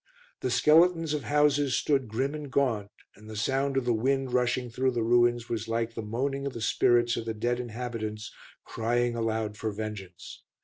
The skeletons of houses stood grim and gaunt, and the sound of the wind rushing through the ruins was like the moaning of the spirits of the dead inhabitants crying aloud for vengeance.